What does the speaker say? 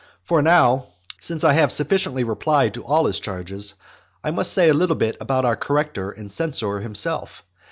For now, since I have sufficiently replied to all his charges, I must say a little about our corrector and censor himself.